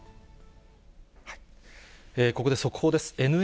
ここで速報です。